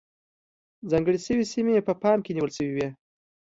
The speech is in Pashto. ځانګړې شوې سیمې په پام کې نیول شوې وې.